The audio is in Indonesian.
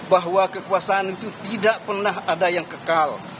bahwa kekuasaan itu tidak pernah ada yang kekal